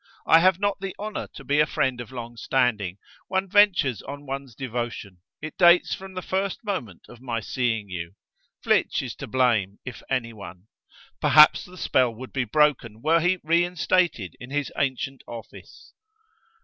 I have not the honour to be a friend of long standing: one ventures on one's devotion: it dates from the first moment of my seeing you. Flitch is to blame, if any one. Perhaps the spell would be broken, were he reinstated in his ancient office."